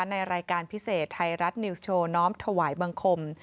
ในรายการพิเศษไทยรัฐนิวส์โชว์น้อมถวายบังคม